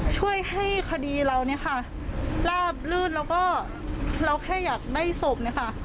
ช่วยให้คดีเราเนี่ยค่ะลาบลื่นแล้วก็เราแค่อยากได้ศพเนี่ยค่ะ